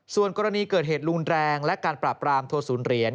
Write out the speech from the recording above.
ส่วนกรณีเกิดเหตุรุนแรงและการปราบรามทัวศูนย์เหรียญ